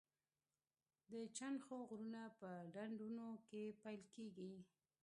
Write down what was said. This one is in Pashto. د چنډخو غږونه په ډنډونو کې پیل کیږي